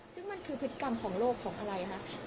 ซึ่งมันคือพฤติกรรมของโลกของอะไรคะ